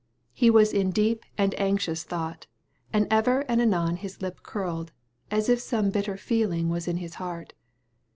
He was in deep and anxious thought; and ever and anon his lip curled, as if some bitter feeling was in his heart.